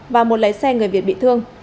và một lấy xe người việt bị thương